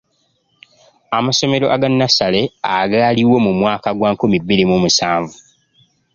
Amasomero aga nnassale agaaliwo mu mwaka gwa nkumi bbiri mu musanvu.